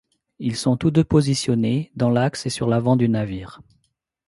Ils sont tous deux positionnés dans l'axe et sur l'avant du navire.